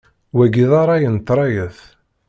Wagi d ṛṛay n tṛayet.